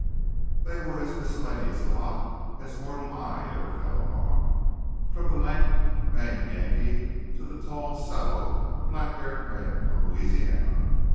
They were as miscellaneous a lot as mortal eye ever fell upon: from the lank Maine Yankee to the tall, sallow, black haired man from Louisiana.